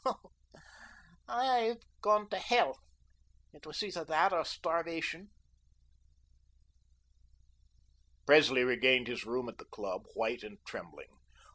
"Oh, I'VE gone to hell. It was either that or starvation." Presley regained his room at the club, white and trembling.